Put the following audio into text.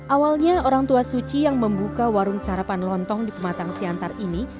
awalnya orang tua suci yang membuka warung sarapan lontong di pematang siantar ini